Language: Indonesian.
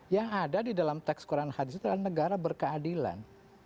yang ada di dalam teks koran hadis itu adalah negara berkeadilan